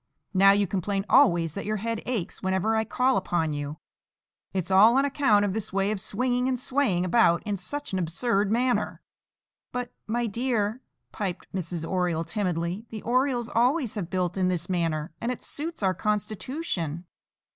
Now you complain always that your head aches whenever I call upon you. It's all on account of this way of swinging and swaying about in such an absurd manner." "But, my dear," piped Mrs. Oriole timidly, "the Orioles always have built in this manner, and it suits our constitution."